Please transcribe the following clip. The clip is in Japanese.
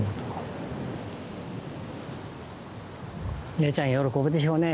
ねえちゃん喜ぶでしょうね。